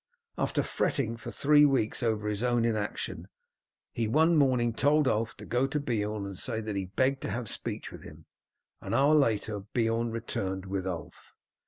After fretting for three weeks over his own inaction, he one morning told Ulf to go to Beorn and say that he begged to have speech with him. An hour later Beorn returned with Ulf.